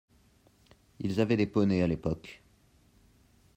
Ils avaient des poneys à l'époque.